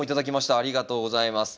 ありがとうございます。